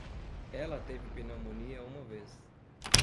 Ela teve pneumonia uma vez.